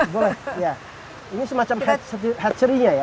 boleh ya ini semacam hatchery nya ya